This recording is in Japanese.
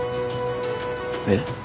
えっ？